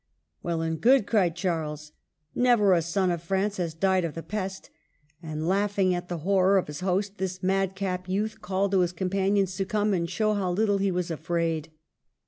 *^ Well and good !" cried Charles. '' Never a son of France has died of the pest !" And, laughing at the horror of his host, the madcap youth called to his compan ions to come and show how little he was afraid.